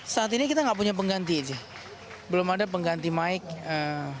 saat ini kita nggak punya pengganti aja belum ada pengganti mike